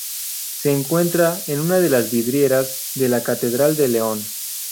Se encuentra en una de las vidrieras de la Catedral de León.